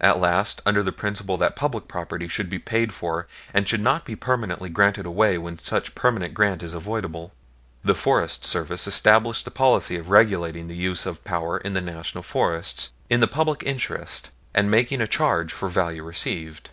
At last, under the principle that public property should be paid for and should not be permanently granted away when such permanent grant is avoidable, the Forest Service established the policy of regulating the use of power in the National Forests in the public interest and making a charge for value received.